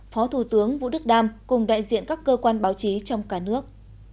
phó thủ tướng vũ đức đam cùng đại diện các cơ quan báo chí trong cả nước